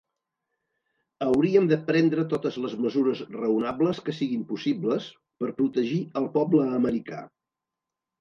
Hauríem de prendre totes les mesures raonables que siguin possibles per protegir el poble americà.